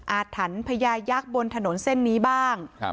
อาถรรพ์พญายักษ์บนถนนเส้นนี้บ้าง